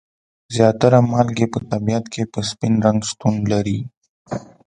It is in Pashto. زیاتره مالګې په طبیعت کې په سپین رنګ شتون لري.